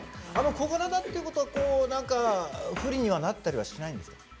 あの小柄だっていうことはこう何か不利にはなったりはしないんですか？